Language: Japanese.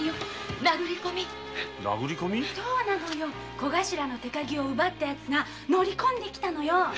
コガシラの手鉤を奪ったヤツが乗り込んできたのよ。